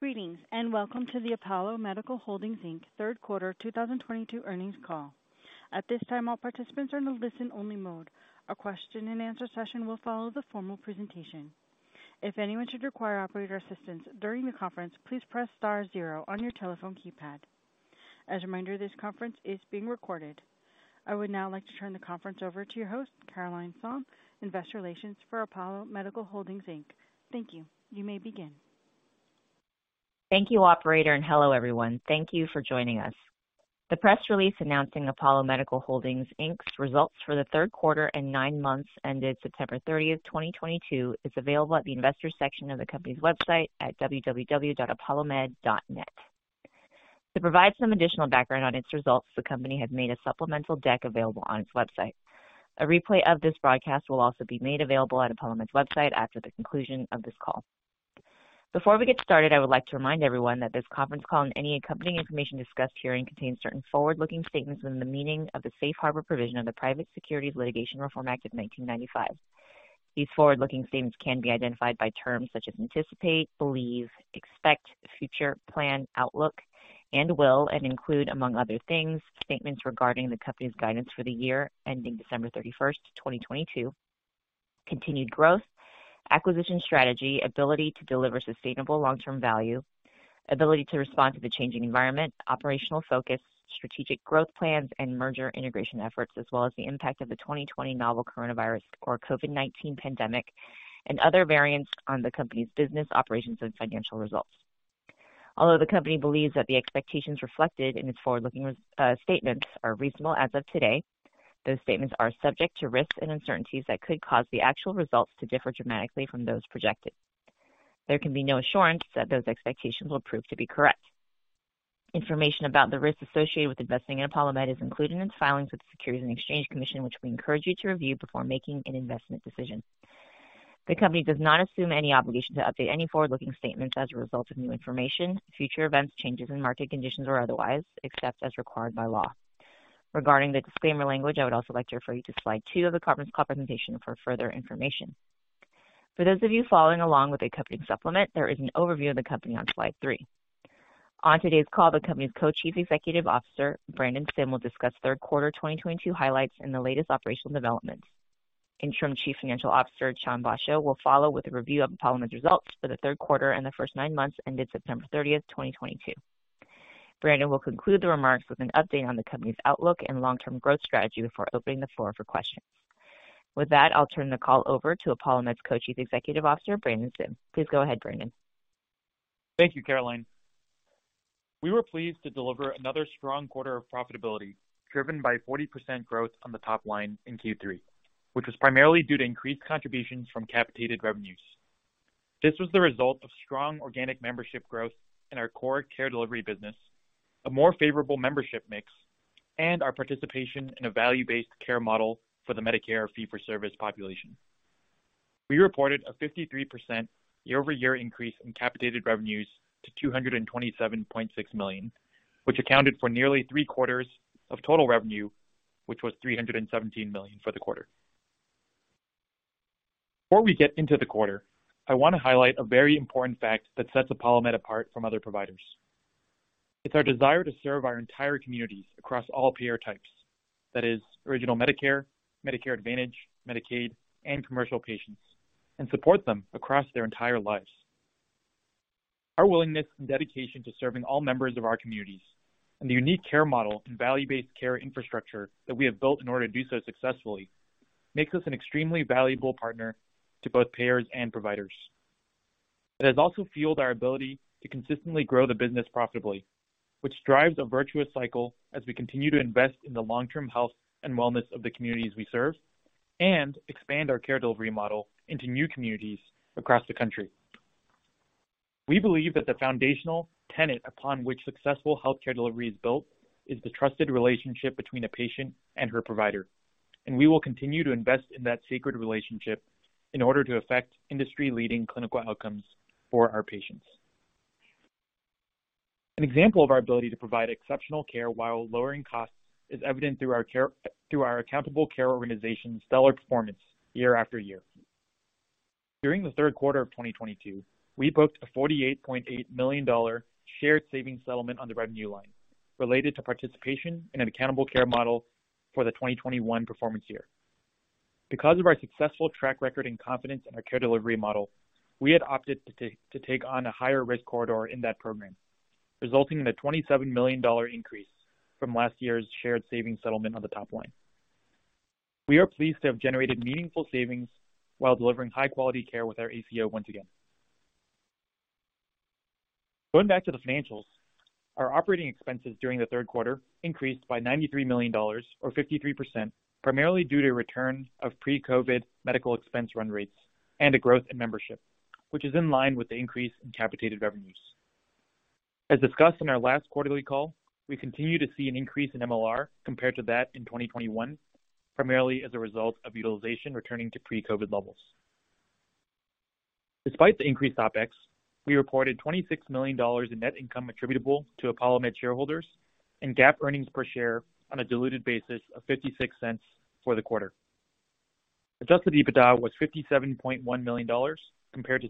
Greetings, and welcome to the Apollo Medical Holdings, Inc. third quarter 2022 earnings call. At this time, all participants are in a listen-only mode. A question-and-answer session will follow the formal presentation. If anyone should require operator assistance during the conference, please press star-zero on your telephone keypad. As a reminder, this conference is being recorded. I would now like to turn the conference over to your host, Carolyne Sohn, Investor Relations for Apollo Medical Holdings, Inc. Thank you. You may begin. Thank you, operator, and hello everyone. Thank you for joining us. The press release announcing Apollo Medical Holdings, Inc.'s results for the third quarter and nine months ended September 30th, 2022, is available at the investors section of the company's website at www.apollomed.net. To provide some additional background on its results, the company has made a supplemental deck available on its website. A replay of this broadcast will also be made available at ApolloMed's website after the conclusion of this call. Before we get started, I would like to remind everyone that this conference call and any accompanying information discussed herein contains certain forward-looking statements in the meaning of the Safe Harbor provision of the Private Securities Litigation Reform Act of 1995. These forward-looking statements can be identified by terms such as anticipate, believe, expect, future, plan, outlook, and will, and include, among other things, statements regarding the company's guidance for the year ending December 31st, 2022, continued growth, acquisition strategy, ability to deliver sustainable long-term value, ability to respond to the changing environment, operational focus, strategic growth plans and merger integration efforts, as well as the impact of the 2020 novel coronavirus or COVID-19 pandemic and other variants on the company's business operations and financial results. Although the company believes that the expectations reflected in its forward-looking statements are reasonable as of today, those statements are subject to risks and uncertainties that could cause the actual results to differ dramatically from those projected. There can be no assurance that those expectations will prove to be correct. Information about the risks associated with investing in ApolloMed is included in its filings with the Securities and Exchange Commission, which we encourage you to review before making an investment decision. The company does not assume any obligation to update any forward-looking statements as a result of new information, future events, changes in market conditions, or otherwise, except as required by law. Regarding the disclaimer language, I would also like to refer you to slide 2 of the conference call presentation for further information. For those of you following along with the accompanying supplement, there is an overview of the company on slide 3. On today's call, the company's Co-Chief Executive Officer, Brandon Sim, will discuss third quarter 2022 highlights and the latest operational developments. Interim Chief Financial Officer Chan Basho will follow with a review of ApolloMed's results for the third quarter and the first nine months ended September thirtieth, 2022. Brandon will conclude the remarks with an update on the company's outlook and long-term growth strategy before opening the floor for questions. With that, I'll turn the call over to ApolloMed's Co-Chief Executive Officer, Brandon Sim. Please go ahead, Brandon. Thank you, Carolyne. We were pleased to deliver another strong quarter of profitability driven by 40% growth on the top line in Q3, which was primarily due to increased contributions from capitated revenues. This was the result of strong organic membership growth in our core care delivery business, a more favorable membership mix, and our participation in a value-based care model for the Medicare fee-for-service population. We reported a 53% year-over-year increase in capitated revenues to $227.6 million, which accounted for nearly three-quarters of total revenue, which was $317 million for the quarter. Before we get into the quarter, I want to highlight a very important fact that sets ApolloMed apart from other providers. It's our desire to serve our entire communities across all peer types, that is Original Medicare Advantage, Medicaid, and commercial patients, and support them across their entire lives. Our willingness and dedication to serving all members of our communities and the unique care model and value-based care infrastructure that we have built in order to do so successfully makes us an extremely valuable partner to both payers and providers. It has also fueled our ability to consistently grow the business profitably, which drives a virtuous cycle as we continue to invest in the long-term health and wellness of the communities we serve and expand our care delivery model into new communities across the country. We believe that the foundational tenet upon which successful healthcare delivery is built is the trusted relationship between a patient and her provider, and we will continue to invest in that sacred relationship in order to affect industry-leading clinical outcomes for our patients. An example of our ability to provide exceptional care while lowering costs is evident through our Accountable Care Organization's stellar performance year after year. During the third quarter of 2022, we booked a $48.8 million shared savings settlement on the revenue line related to participation in an accountable care model for the 2021 performance year. Because of our successful track record and confidence in our care delivery model, we had opted to take on a higher risk corridor in that program, resulting in a $27 million increase from last year's shared savings settlement on the top line. We are pleased to have generated meaningful savings while delivering high quality care with our ACO once again. Going back to the financials, our operating expenses during the third quarter increased by $93 million or 53%, primarily due to return of pre-COVID medical expense run rates and a growth in membership, which is in line with the increase in capitated revenues. As discussed in our last quarterly call, we continue to see an increase in MLR compared to that in 2021, primarily as a result of utilization returning to pre-COVID levels. Despite the increased OpEx, we reported $26 million in net income attributable to ApolloMed shareholders and GAAP earnings per share on a diluted basis of $0.56 for the quarter. Adjusted EBITDA was $57.1 million compared to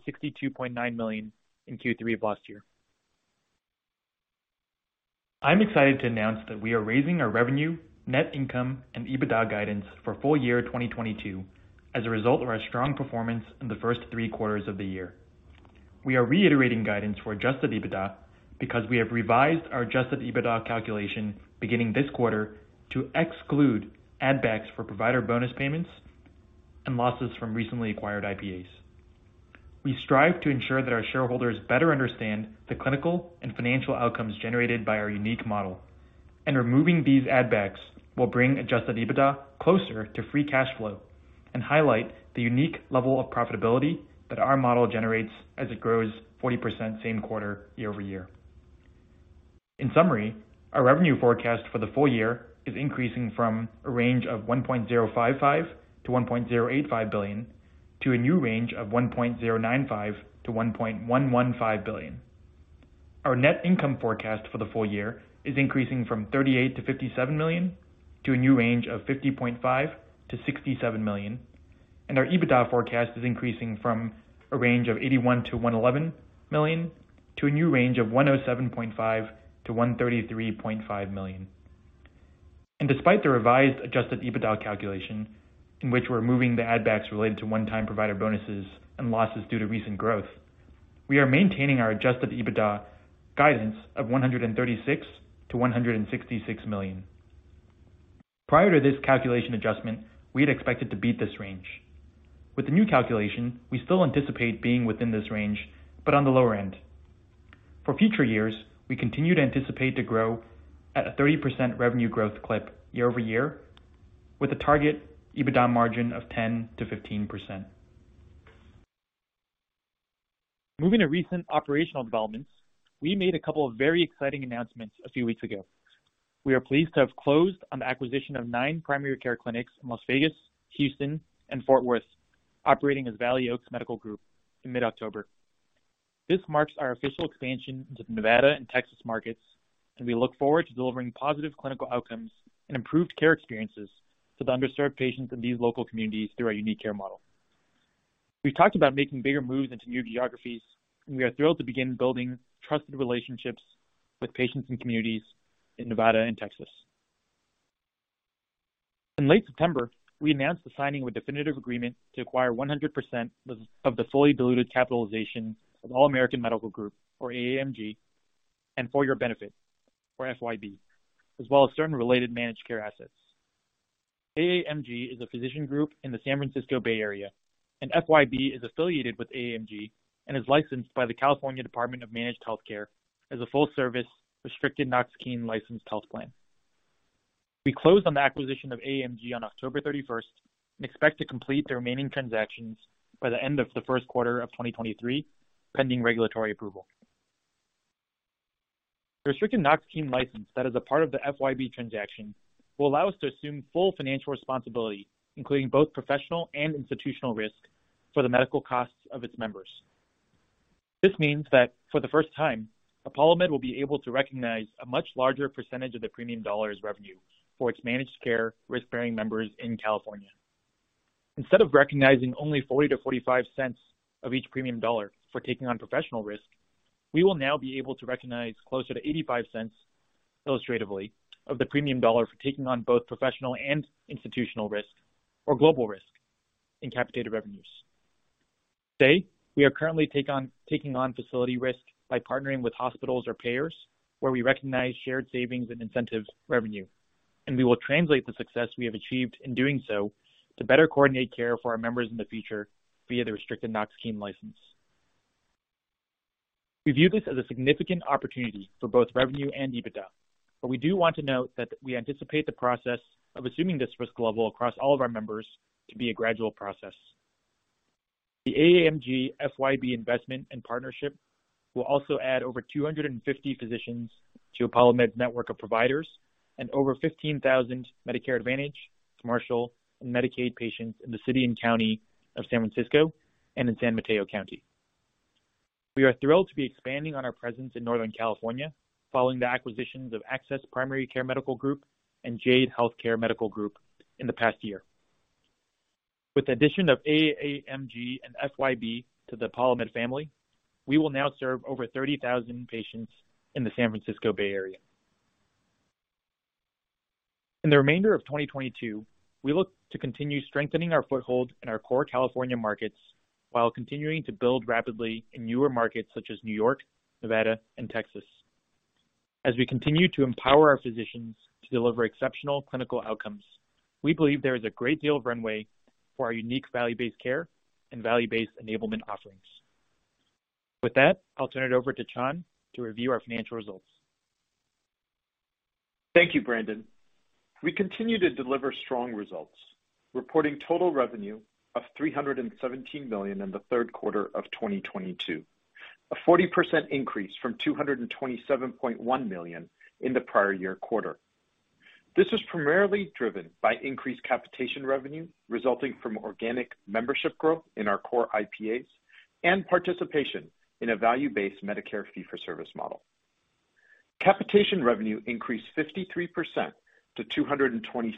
$62.9 million in Q3 of last year. I'm excited to announce that we are raising our revenue, net income, and EBITDA guidance for full year 2022 as a result of our strong performance in the first three quarters of the year. We are reiterating guidance for adjusted EBITDA because we have revised our adjusted EBITDA calculation beginning this quarter to exclude add backs for provider bonus payments and losses from recently acquired IPAs. We strive to ensure that our shareholders better understand the clinical and financial outcomes generated by our unique model, and removing these add backs will bring adjusted EBITDA closer to free cash flow and highlight the unique level of profitability that our model generates as it grows 40% same quarter year over year. In summary, our revenue forecast for the full year is increasing from a range of $1.055 billion-$1.085 billion to a new range of $1.095 billion-$1.115 billion. Our net income forecast for the full year is increasing from $38 million-$57 million to a new range of $50.5 million million-$67 million. Our EBITDA forecast is increasing from a range of $81 million-$111 million to a new range of $107.5 million-$133.5 million. Despite the revised adjusted EBITDA calculation in which we're moving the add backs related to one-time provider bonuses and losses due to recent growth, we are maintaining our adjusted EBITDA guidance of $136 million-$166 million. Prior to this calculation adjustment, we had expected to beat this range. With the new calculation, we still anticipate being within this range, but on the lower end. For future years, we continue to anticipate to grow at a 30% revenue growth clip year-over-year with a target EBITDA margin of 10%-15%. Moving to recent operational developments, we made a couple of very exciting announcements a few weeks ago. We are pleased to have closed on the acquisition of nine primary care clinics in Las Vegas, Houston, and Fort Worth, operating as Valley Oaks Medical Group in mid-October. This marks our official expansion into the Nevada and Texas markets, and we look forward to delivering positive clinical outcomes and improved care experiences to the underserved patients in these local communities through our unique care model. We talked about making bigger moves into new geographies, and we are thrilled to begin building trusted relationships with patients and communities in Nevada and Texas. In late September, we announced the signing of a definitive agreement to acquire 100% of the fully diluted capitalization of All American Medical Group or AAMG and For Your Benefit or FYB, as well as certain related managed care assets. AAMG is a physician group in the San Francisco Bay Area, and FYB is affiliated with AAMG and is licensed by the California Department of Managed Health Care as a full service restricted Knox-Keene licensed health plan. We closed on the acquisition of AAMG on October 31st, and expect to complete the remaining transactions by the end of the first quarter of 2023, pending regulatory approval. The restricted Knox-Keene license that is a part of the FYB transaction will allow us to assume full financial responsibility, including both professional and institutional risk for the medical costs of its members. This means that for the first time, ApolloMed will be able to recognize a much larger percentage of the premium dollars revenue for its managed care risk-bearing members in California. Instead of recognizing only $0.40-$0.45 of each premium dollar for taking on professional risk, we will now be able to recognize closer to $0.85 illustratively of the premium dollar for taking on both professional and institutional risk or global risk in capitated revenues. Today, we are currently taking on facility risk by partnering with hospitals or payers where we recognize shared savings and incentive revenue, and we will translate the success we have achieved in doing so to better coordinate care for our members in the future via the restricted Knox-Keene license. We view this as a significant opportunity for both revenue and EBITDA, but we do want to note that we anticipate the process of assuming this risk level across all of our members to be a gradual process. The AAMG FYB investment and partnership will also add over 250 physicians to ApolloMed's network of providers and over 15,000 Medicare Advantage, commercial, and Medicaid patients in the City and County of San Francisco and in San Mateo County. We are thrilled to be expanding on our presence in Northern California following the acquisitions of Access Primary Care Medical Group and Jade Healthcare Medical Group in the past year. With the addition of AAMG and FYB to the ApolloMed family, we will now serve over 30,000 patients in the San Francisco Bay Area. In the remainder of 2022, we look to continue strengthening our foothold in our core California markets while continuing to build rapidly in newer markets such as New York, Nevada, and Texas. As we continue to empower our physicians to deliver exceptional clinical outcomes, we believe there is a great deal of runway for our unique value-based care and value-based enablement offerings. With that, I'll turn it over to Chan to review our financial results. Thank you, Brandon. We continue to deliver strong results, reporting total revenue of $317 million in the third quarter of 2022, a 40% increase from $227.1 million in the prior year quarter. This was primarily driven by increased capitation revenue resulting from organic membership growth in our core IPAs and participation in a value-based Medicare fee-for-service model. Capitation revenue increased 53% to $227.6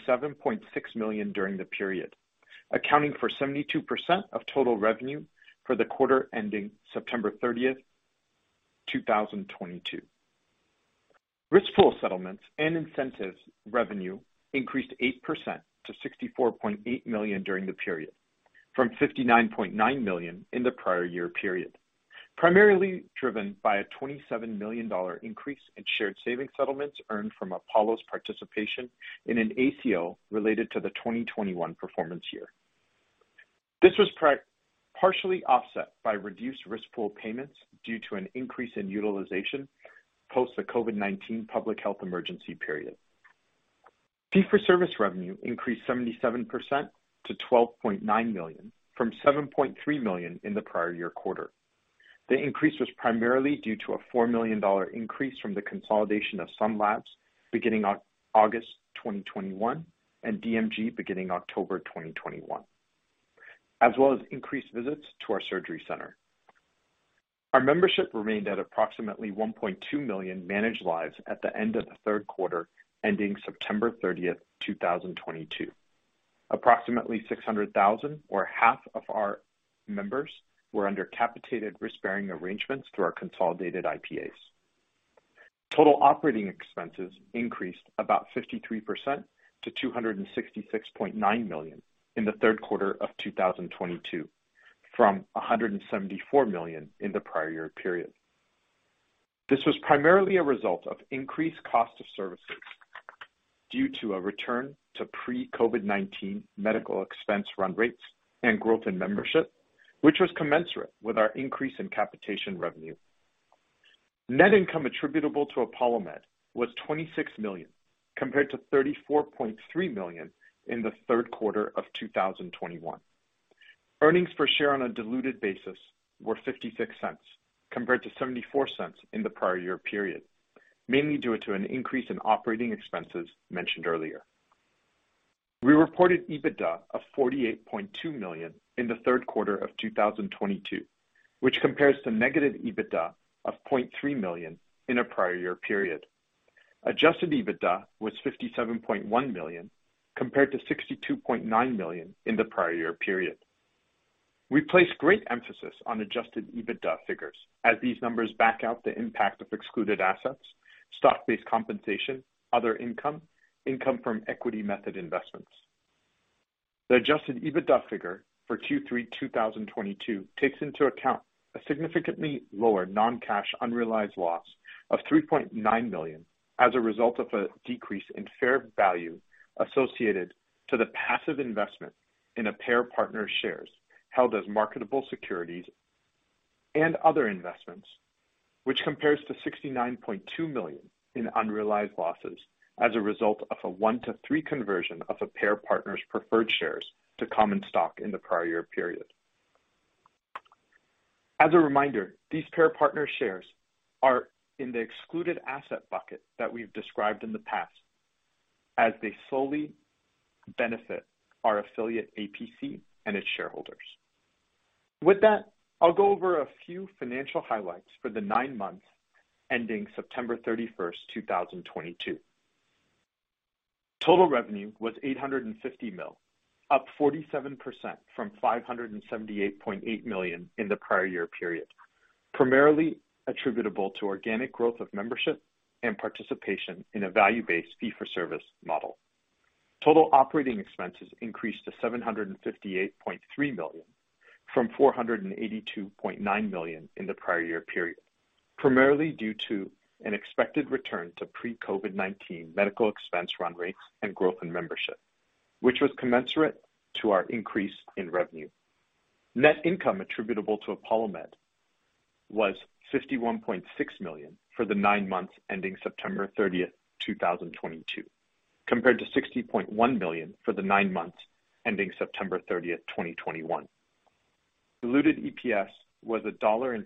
million during the period, accounting for 72% of total revenue for the quarter ending September thirtieth, 2022. Risk pool settlements and incentives revenue increased 8% to $64.8 million during the period, from $59.9 million in the prior year period, primarily driven by a $27 million increase in shared savings settlements earned from Apollo's participation in an ACO related to the 2021 performance year. This was partially offset by reduced risk pool payments due to an increase in utilization post the COVID-19 public health emergency period. Fee-for-service revenue increased 77% to $12.9 million, from $7.3 million in the prior year quarter. The increase was primarily due to a $4 million increase from the consolidation of some labs beginning August 2021 and DMG beginning October 2021, as well as increased visits to our surgery center. Our membership remained at approximately 1.2 million managed lives at the end of the third quarter, ending September 30th, 2022. Approximately 600,000 or half of our members were under capitated risk-bearing arrangements through our consolidated IPAs. Total operating expenses increased about 53% to $266.9 million in the third quarter of 2022, from $174 million in the prior year period. This was primarily a result of increased cost of services due to a return to pre-COVID-19 medical expense run rates and growth in membership, which was commensurate with our increase in capitation revenue. Net income attributable to ApolloMed was $26 million, compared to $34.3 million in the third quarter of 2021. Earnings per share on a diluted basis were $0.56, compared to $0.74 in the prior year period, mainly due to an increase in operating expenses mentioned earlier. We reported EBITDA of $48.2 million in the third quarter of 2022, which compares to negative EBITDA of $0.3 million in the prior year period. Adjusted EBITDA was $57.1 million compared to $62.9 million in the prior year period. We place great emphasis on adjusted EBITDA figures as these numbers back out the impact of excluded assets, stock-based compensation, other income from equity method investments. The adjusted EBITDA figure for Q3 2022 takes into account a significantly lower non-cash unrealized loss of $3.9 million as a result of a decrease in fair value associated to the passive investment in a payer partner shares held as marketable securities and other investments, which compares to $69.2 million in unrealized losses as a result of a one-to-three conversion of a payer partner's preferred shares to common stock in the prior year period. As a reminder, these payer partner shares are in the excluded asset bucket that we've described in the past as they solely benefit our affiliate APC and its shareholders. With that, I'll go over a few financial highlights for the nine months ending September 31st, 2022. Total revenue was $850 million, up 47% from $578.8 million in the prior year period, primarily attributable to organic growth of membership and participation in a value-based fee for service model. Total operating expenses increased to $758.3 million, from $482.9 million in the prior year period, primarily due to an expected return to pre-COVID-19 medical expense run rates and growth in membership, which was commensurate to our increase in revenue. Net income attributable to ApolloMed was $51.6 million for the nine months ending September 30th, 2022, compared to $60.1 million for the nine months ending September 30th, 2021. Diluted EPS was $1.12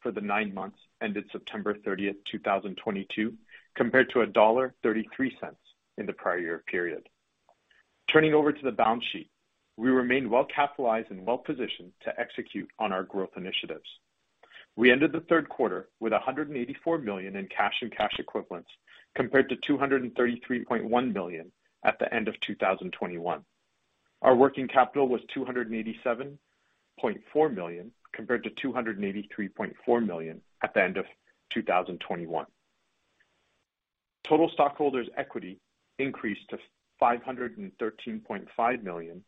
for the nine months ended September 30th, 2022, compared to $1.33 in the prior year period. Turning over to the balance sheet, we remain well capitalized and well-positioned to execute on our growth initiatives. We ended the third quarter with $184 million in cash and cash equivalents, compared to $233.1 million at the end of 2021. Our working capital was $287.4 million, compared to $283.4 million at the end of 2021. Total stockholders' equity increased to $513.5 million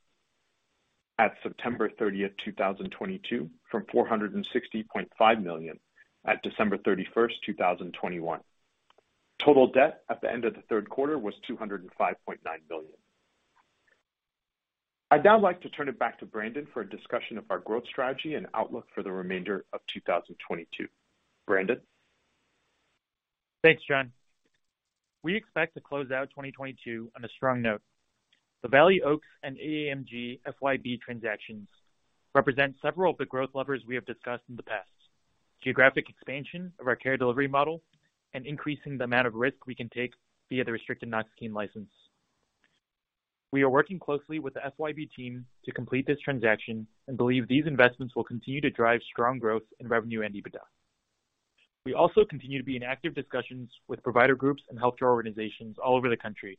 at September 30th, 2022, from $460.5 million at December 31st, 2021. Total debt at the end of the third quarter was $205.9 million. I'd now like to turn it back to Brandon for a discussion of our growth strategy and outlook for the remainder of 2022. Brandon? Thanks, John. We expect to close out 2022 on a strong note. The Valley Oaks and AAMG FYB transactions represent several of the growth levers we have discussed in the past. Geographic expansion of our care delivery model and increasing the amount of risk we can take via the Restricted Knox-Keene license. We are working closely with the FYB team to complete this transaction and believe these investments will continue to drive strong growth in revenue and EBITDA. We also continue to be in active discussions with provider groups and healthcare organizations all over the country,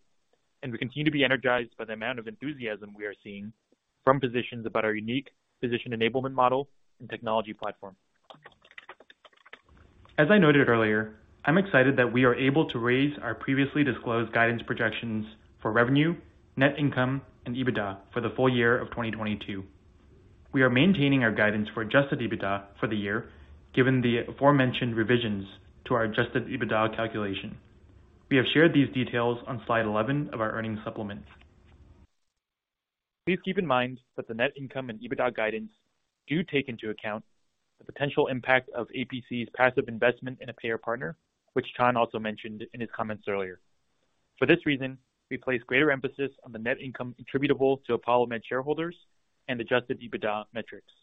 and we continue to be energized by the amount of enthusiasm we are seeing from physicians about our unique physician enablement model and technology platform. As I noted earlier, I'm excited that we are able to raise our previously disclosed guidance projections for revenue, net income and EBITDA for the full year of 2022. We are maintaining our guidance for adjusted EBITDA for the year given the aforementioned revisions to our adjusted EBITDA calculation. We have shared these details on slide 11 of our earnings supplement. Please keep in mind that the net income and EBITDA guidance do take into account the potential impact of APC's passive investment in a payer partner, which Chan also mentioned in his comments earlier. For this reason, we place greater emphasis on the net income attributable to ApolloMed shareholders and adjusted EBITDA metrics.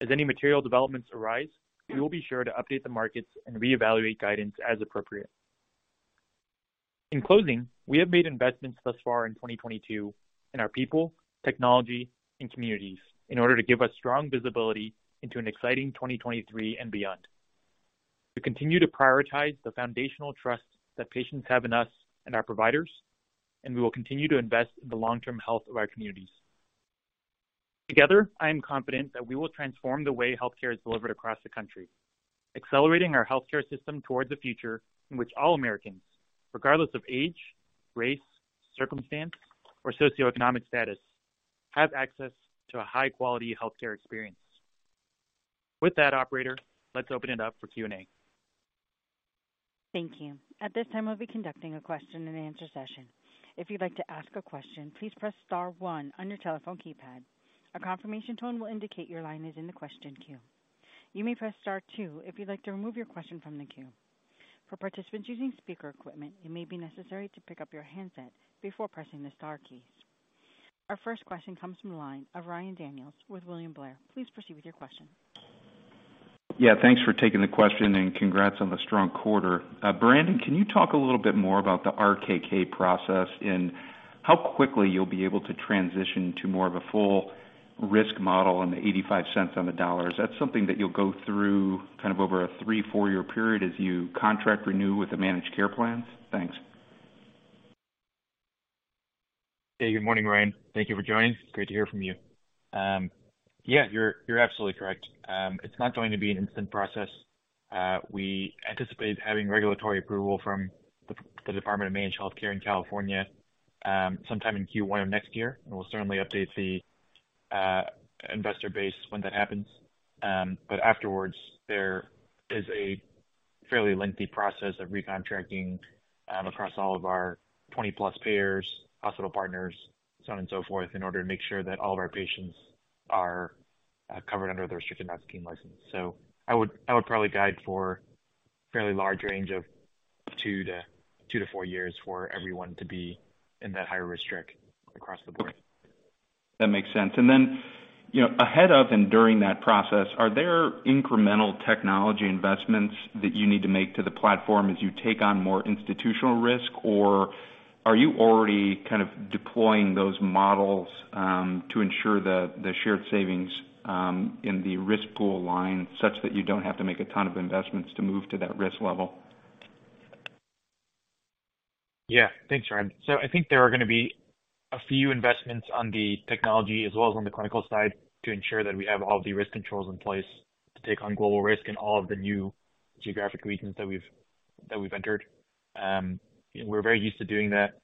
As any material developments arise, we will be sure to update the markets and reevaluate guidance as appropriate. In closing, we have made investments thus far in 2022 in our people, technology and communities in order to give us strong visibility into an exciting 2023 and beyond. We continue to prioritize the foundational trust that patients have in us and our providers, and we will continue to invest in the long term health of our communities. Together, I am confident that we will transform the way healthcare is delivered across the country, accelerating our healthcare system towards a future in which all Americans, regardless of age, race, circumstance, or socioeconomic status, have access to a high quality healthcare experience. With that, operator, let's open it up for Q&A. Thank you. At this time, we'll be conducting a question-and-answer session. If you'd like to ask a question, please press star-one on your telephone keypad. A confirmation tone will indicate your line is in the question queue. You may press star-two if you'd like to remove your question from the queue. For participants using speaker equipment, it may be necessary to pick up your handset before pressing the star keys. Our first question comes from the line of Ryan Daniels with William Blair. Please proceed with your question. Yeah, thanks for taking the question and congrats on the strong quarter. Brandon, can you talk a little bit more about the RKK process and how quickly you'll be able to transition to more of a full risk model and the $0.85 on the dollar? Is that something that you'll go through kind of over a three, four-year period as your contracts renew with the managed care plans? Thanks. Hey, good morning, Ryan. Thank you for joining. It's great to hear from you. Yeah, you're absolutely correct. It's not going to be an instant process. We anticipate having regulatory approval from the Department of Managed Health Care in California sometime in Q1 of next year, and we'll certainly update the investor base when that happens. Afterwards, there is a fairly lengthy process of recontracting across all of our 20+ payers, hospital partners, so on and so forth, in order to make sure that all of our patients are covered under the restricted Knox-Keene license. I would probably guide for a fairly large range of two to four years for everyone to be in that higher risk streak across the board. That makes sense. Then, you know, ahead of and during that process, are there incremental technology investments that you need to make to the platform as you take on more institutional risk, or are you already kind of deploying those models, to ensure the shared savings in the risk pool line such that you don't have to make a ton of investments to move to that risk level? Yeah. Thanks, Ryan. I think there are going to be a few investments on the technology as well as on the clinical side to ensure that we have all the risk controls in place to take on global risk in all of the new geographic regions that we've entered. We're very used to doing that.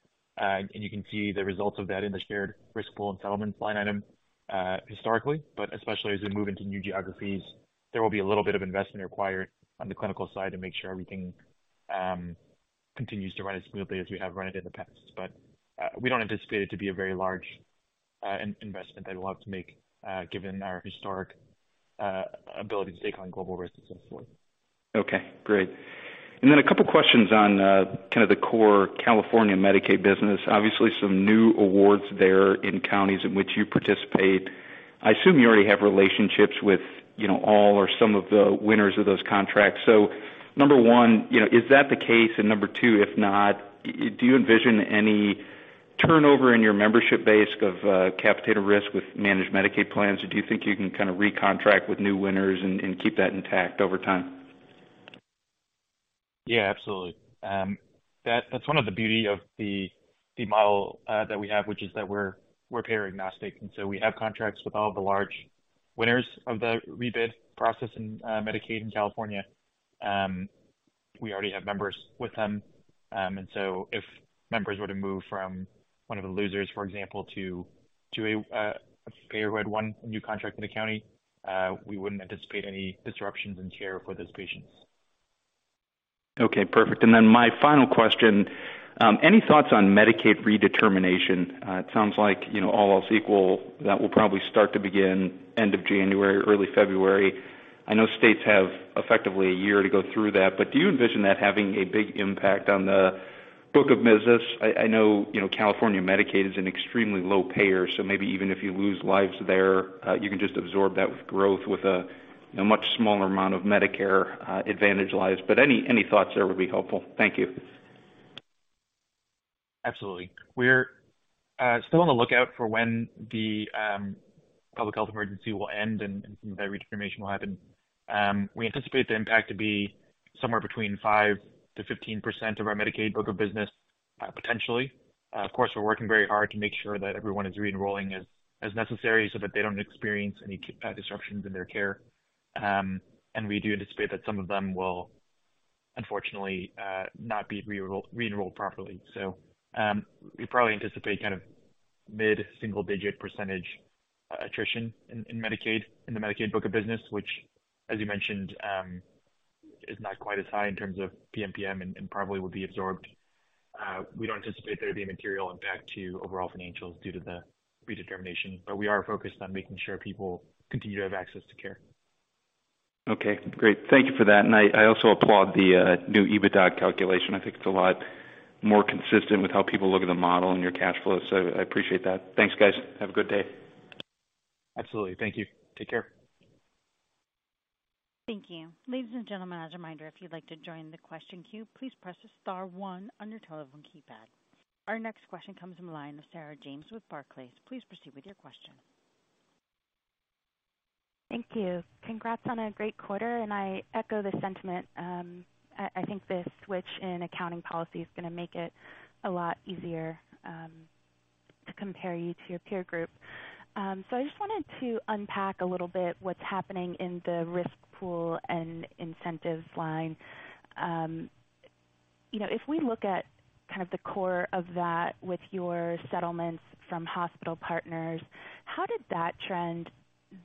You can see the results of that in the shared risk pool and settlement line item, historically, but especially as we move into new geographies, there will be a little bit of investment required on the clinical side to make sure everything continues to run as smoothly as we have run it in the past. We don't anticipate it to be a very large investment that we'll have to make, given our historic ability to take on global risks and so forth. Okay, great. A couple of questions on kind of the core California Medicaid business. Obviously, some new awards there in counties in which you participate. I assume you already have relationships with, you know, all or some of the winners of those contracts. Number one, you know, is that the case? Number two, if not, do you envision any turnover in your membership base of capitated risk with managed Medicaid plans or do you think you can kind of recontract with new winners and keep that intact over time? Yeah, absolutely. That's one of the beauty of the model that we have, which is that we're payer agnostic, and so we have contracts with all the large winners of the rebid process in Medicaid in California. We already have members with them. If members were to move from one of the losers, for example, to a payer who had won a new contract with the county, we wouldn't anticipate any disruptions in care for those patients. Okay, perfect. My final question, any thoughts on Medicaid redetermination? It sounds like, you know, all else equal, that will probably start to begin end of January, early February. I know states have effectively a year to go through that, but do you envision that having a big impact on the book of business? I know, you know, California Medicaid is an extremely low payer, so maybe even if you lose lives there, you can just absorb that with growth with a much smaller amount of Medicare Advantage lives. Any thoughts there would be helpful. Thank you. Absolutely. We're still on the lookout for when the public health emergency will end and some of that redetermination will happen. We anticipate the impact to be somewhere between 5%-15% of our Medicaid book of business, potentially. Of course, we're working very hard to make sure that everyone is re-enrolling as necessary so that they don't experience any disruptions in their care. We do anticipate that some of them will, unfortunately, not be re-enrolled properly. We probably anticipate kind of mid-single-digit percentage attrition in the Medicaid book of business, which as you mentioned, is not quite as high in terms of PNPM and probably will be absorbed. We don't anticipate there to be a material impact to overall financials due to the redetermination, but we are focused on making sure people continue to have access to care. Okay, great. Thank you for that. I also applaud the new EBITDA calculation. I think it's a lot more consistent with how people look at the model and your cash flows. I appreciate that. Thanks, guys. Have a good day. Absolutely. Thank you. Take care. Thank you. Ladies and gentlemen, as a reminder, if you'd like to join the question queue, please press star-one on your telephone keypad. Our next question comes from the line of Sarah James with Barclays. Please proceed with your question. Thank you. Congrats on a great quarter, and I echo the sentiment. I think the switch in accounting policy is going to make it a lot easier to compare you to your peer group. I just wanted to unpack a little bit what's happening in the risk pool and incentives line. You know, if we look at kind of the core of that with your settlements from hospital partners, how did that trend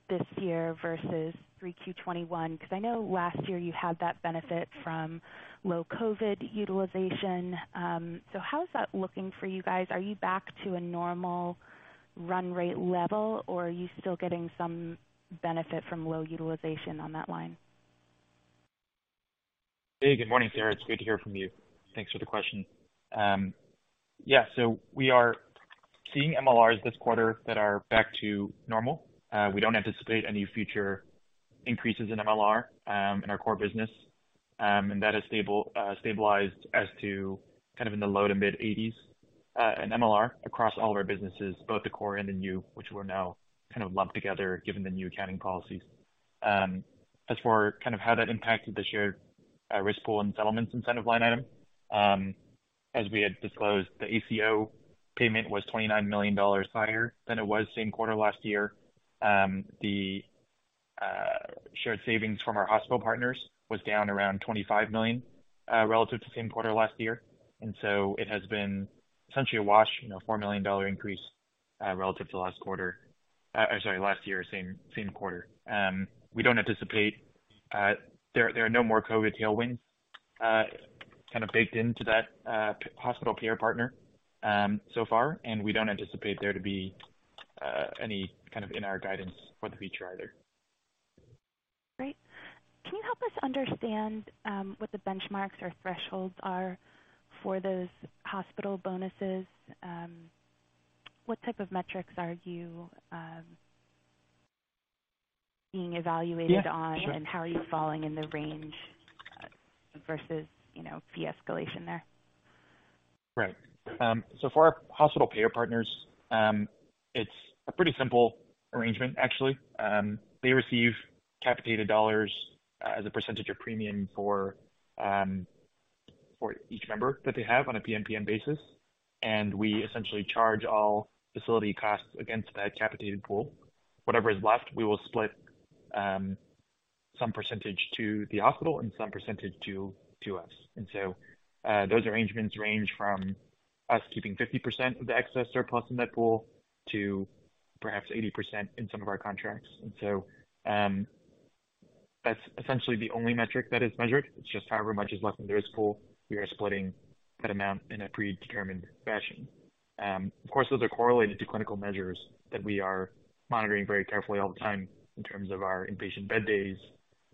this year versus 3Q 2021? Because I know last year you had that benefit from low COVID utilization. How is that looking for you guys? Are you back to a normal run rate level, or are you still getting some benefit from low utilization on that line? Hey, good morning, Sarah. It's good to hear from you. Thanks for the question. Yeah, we are seeing MLRs this quarter that are back to normal. We don't anticipate any future increases in MLR, in our core business, and that has stabilized as to kind of in the low- to mid-80s-% in MLR across all of our businesses, both the core and the new, which we're now kind of lumped together given the new accounting policies. As for kind of how that impacted the shared risk pool and settlements incentive line item, as we had disclosed, the ACO payment was $29 million higher than it was same quarter last year. The shared savings from our hospital partners was down around $25 million, relative to same quarter last year. It has been essentially a wash, you know, $4 million increase relative to last year, same quarter. We don't anticipate. There are no more COVID tailwinds kind of baked into that payer partner, so far, and we don't anticipate there to be any kind of in our guidance for the future either. Great. Can you help us understand what the benchmarks or thresholds are for those hospital bonuses? What type of metrics are you being evaluated on? How are you falling in the range, versus, you know, the escalation there? Right. For our hospital payer partners, it's a pretty simple arrangement actually. They receive capitated dollars as a percentage of premium for each member that they have on a PNPM basis, and we essentially charge all facility costs against that capitated pool. Whatever is left, we will split some percentage to the hospital and some percentage to us. Those arrangements range from us keeping 50% of the excess surplus in that pool to perhaps 80% in some of our contracts. That's essentially the only metric that is measured. It's just however much is left in the risk pool, we are splitting that amount in a predetermined fashion. Of course, those are correlated to clinical measures that we are monitoring very carefully all the time in terms of our inpatient bed days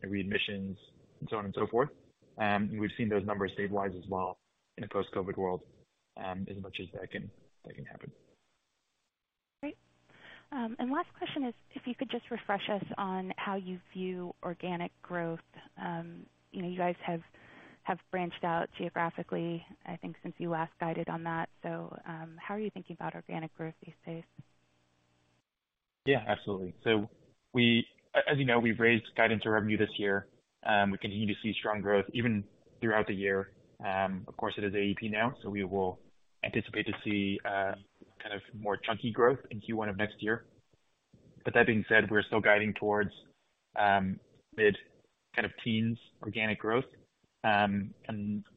and readmissions and so on and so forth. We've seen those numbers stabilize as well in a post-COVID world, as much as that can happen. Great. Last question is if you could just refresh us on how you view organic growth. You know, you guys have branched out geographically, I think, since you last guided on that. How are you thinking about organic growth these days? Yeah, absolutely. As you know, we've raised guidance revenue this year. We continue to see strong growth even throughout the year. Of course, it is AEP now, so we will anticipate to see kind of more chunky growth in Q1 of next year. That being said, we're still guiding towards mid-teens organic growth, and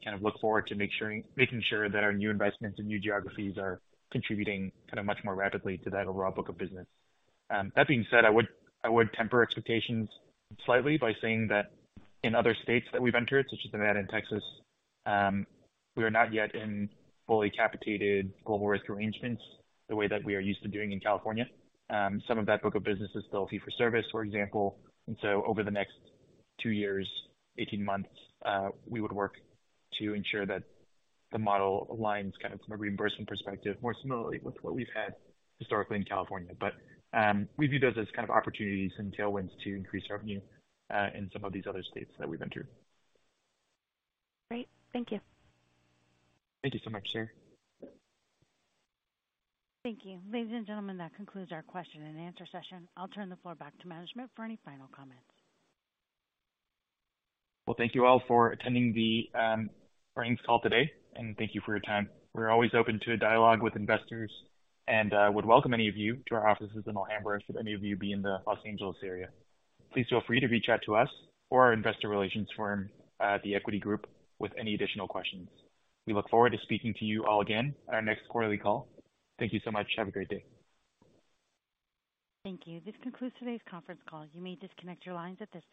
kind of look forward to making sure that our new investments and new geographies are contributing kind of much more rapidly to that overall book of business. That being said, I would temper expectations slightly by saying that in other states that we've entered, such as Nevada and Texas, we are not yet in fully capitated global risk arrangements the way that we are used to doing in California. Some of that book of business is still fee for service, for example. Over the next two years, 18 months, we would work to ensure that the model aligns kind of from a reimbursement perspective more similarly with what we've had historically in California. We view those as kind of opportunities and tailwinds to increase revenue in some of these other states that we've entered. Great. Thank you. Thank you so much, Sarah. Thank you. Ladies and gentlemen, that concludes our question-and-answer session. I'll turn the floor back to management for any final comments. Well, thank you all for attending the earnings call today, and thank you for your time. We're always open to a dialogue with investors and would welcome any of you to our offices in Alhambra should any of you be in the Los Angeles area. Please feel free to reach out to us or our investor relations firm, The Equity Group, with any additional questions. We look forward to speaking to you all again at our next quarterly call. Thank you so much. Have a great day. Thank you. This concludes today's conference call. You may disconnect your lines at this time.